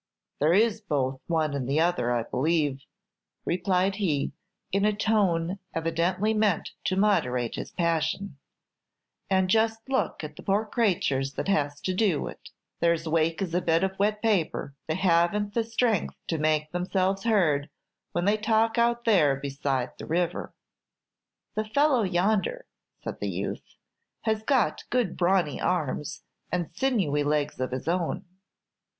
"There is both one and the other, I believe," replied he, in a tone evidently meant to moderate his passion; "and just look at the poor craytures that has to do it. They're as weak as a bit of wet paper; they haven't strength to make themselves heard when they talk out there beside the river." "The fellow yonder," said the youth, "has got good brawny arms and sinewy legs of his own."